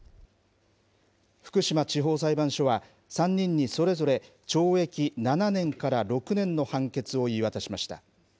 福島地方裁判所は、３人にそれぞれ懲役７年から６年の判決を言い渡しました。